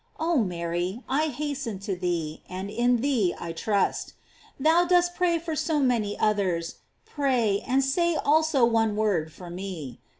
Oh Mary, I hasten to thee, and in thee I trust. Thou dost pray for so many others, pray, and say also one word for me.